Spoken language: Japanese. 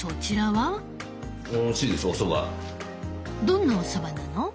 どんなおそばなの？